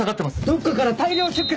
どっかから大量出血！